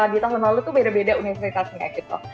di tahun lalu tuh beda beda universitasnya gitu